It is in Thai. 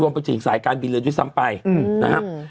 รวมกับจิตสายการบินเรือนด้วยซ้ำไปนะครับ